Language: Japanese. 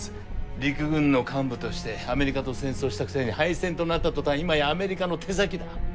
陸軍の幹部としてアメリカと戦争したくせに敗戦となった途端今やアメリカの手先だ。